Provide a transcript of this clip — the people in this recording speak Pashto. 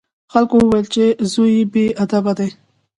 خلکو وویل چې زوی یې بې ادبه دی.